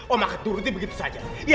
om akan turutin begitu saja